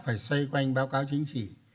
phải xoay quanh báo cáo chính trị